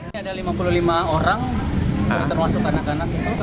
ini ada lima puluh lima orang termasuk anak anak itu